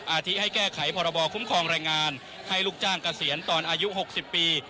อาทิให้แก้ไขพรบคุ้มครองแรงงานให้ลูกจ้างเกษียณตอนอายุ๖๐ปี